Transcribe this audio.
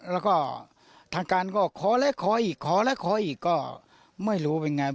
แล้วก็ทางการก็ขอแล้วขออีกขอแล้วขออีกก็ไม่รู้เป็นไง